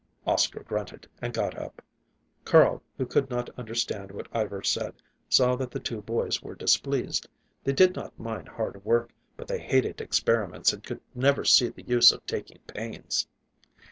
Oscar grunted and got up. Carl, who could not understand what Ivar said, saw that the two boys were displeased. They did not mind hard work, but they hated experiments and could never see the use of taking pains.